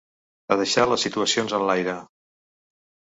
A deixar les situacions enlaire.